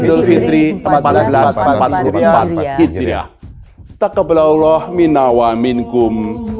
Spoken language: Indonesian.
dan menjaga kebaikan pribadi